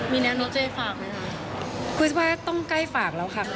มีแนนูเจฟากไหมค่ะคือว่าต้องใกล้ฟากแล้วค่ะ